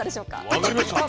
分かりました。